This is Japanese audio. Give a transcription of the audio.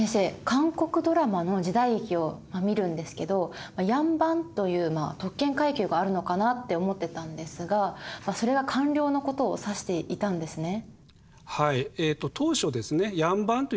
韓国ドラマの時代劇を見るんですけど両班という特権階級があるのかなって思ってたんですがそれが官僚のことを指していたんですね。